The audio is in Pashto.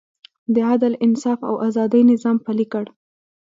د عدل، انصاف او ازادۍ نظام پلی کړ.